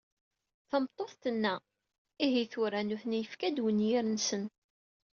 Tameṭṭut, tenna: “Ihi tura! Nutni yefka-d unyir-nsen."